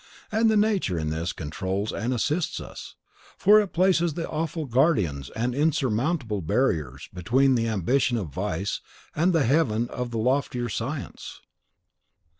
And Nature in this controls and assists us: for it places awful guardians and insurmountable barriers between the ambition of vice and the heaven of the loftier science."